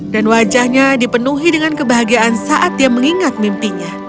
dan wajahnya dipenuhi dengan kebahagiaan saat dia mengingat mimpinya